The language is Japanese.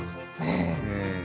ええ。